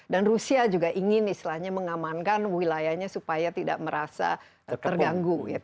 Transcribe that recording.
dan rusia juga ingin istilahnya mengamankan wilayahnya supaya tidak merasa terganggu